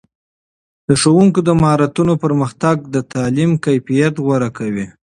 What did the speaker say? د ښوونکو د مهارتونو پرمختګ د تعلیم کیفیت غوره کوي.